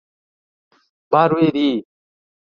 Barueri